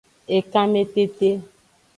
Ekanmetete.